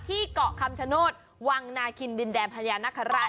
ที่เกาะคำชโนธวังนาคิณบินแดนพญานกรราช